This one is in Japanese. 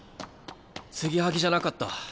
継ぎはぎじゃなかった。